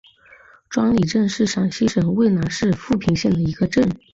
庄里镇是陕西省渭南市富平县的一个镇。